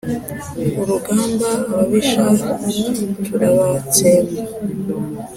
urugamba, ababisha turabatsemba